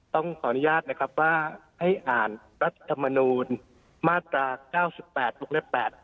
ต้องขออนุญาตนะครับว่าให้อ่านรัฐธรรมนูลมาตรา๙๘วงเล็บ๘